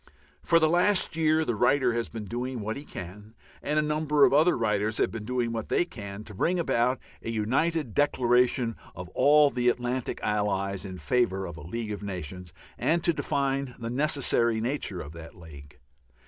For the last year the writer has been doing what he can and a number of other writers have been doing what they can to bring about a united declaration of all the Atlantic Allies in favour of a League of Nations, and to define the necessary nature of that League.